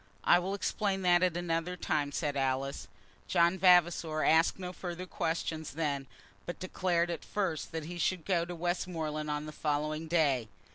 "I will explain that at another time," said Alice. John Vavasor asked no further questions then, but declared at first that he should go to Westmoreland on the following day.